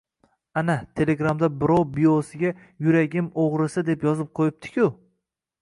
- Ana, telegramda birov biosiga "Yuragim ugrisi" deb yozib qo'yibdi-ku...